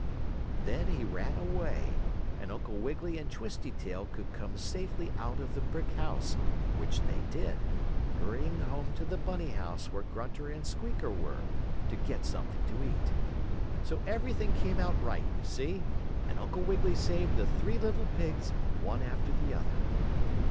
Then he ran away, and Uncle Wiggily and Twisty Tail could come safely out of the brick house, which they did, hurrying home to the bunny house where Grunter and Squeaker were, to get something to eat. So everything came out right, you see, and Uncle Wiggily saved the three little pigs, one after the other.